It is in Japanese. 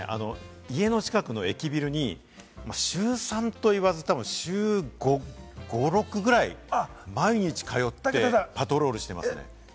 家の近くの駅ビルに、週３といわず、たぶん週５６ぐらい毎日通ってパトロールしてます。